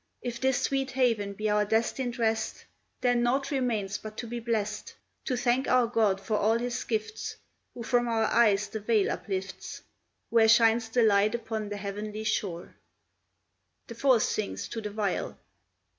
If this sweet haven be our destined rest, Then naught remains but to be blest, To thank our God for all his gifts, Who from our eyes the veil uplifts, Where shines the light upon the heavenly shore, [The fourth sings to the viol.